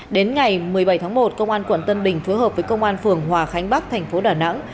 đến ngày một mươi bảy tháng một công an quận tân bình phối hợp với công an phường hòa khánh bắc thành phố đà nẵng